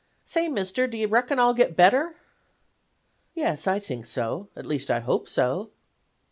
'Say, Mister, do ye reckon I'll git better?' "'Yes, I think so; at least I hope so.